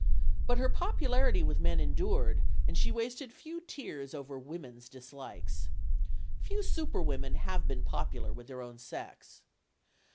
But her popularity with men endured, anc! PEG WOFFINGTOX 57 she wasted few tears over women's dislikes. Few superwomen have been popular with their own sex.